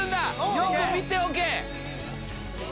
よく見ておけ。